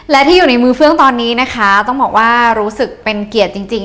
และที่อยู่ในมือเฟื่องตอนนี้นะคะต้องบอกว่ารู้สึกเป็นเกียรติจริง